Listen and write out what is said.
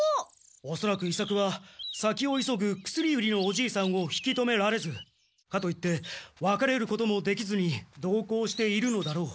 おそらく伊作は先を急ぐ薬売りのおじいさんを引き止められずかといってわかれることもできずに同行しているのだろう。